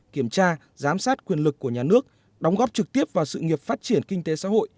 kiểm tra giám sát quyền lực của nhà nước đóng góp trực tiếp vào sự nghiệp phát triển kinh tế xã hội